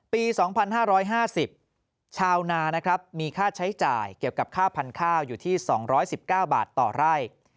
ปี๒๕๕๐ชาวนานะครับมีค่าใช้จ่ายเกี่ยวกับค่าพันธุ์ข้าวอยู่ที่๒๑๙บาทต่อไร่